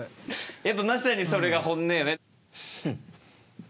やっぱまさにそれが本音よね。